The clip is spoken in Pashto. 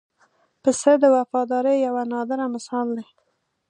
پسه د وفادارۍ یو نادره مثال دی.